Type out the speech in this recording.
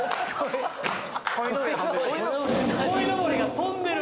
鯉のぼりが飛んでる？